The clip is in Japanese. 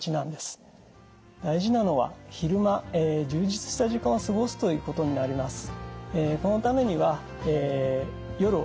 大事なのは昼間充実した時間を過ごすということになります。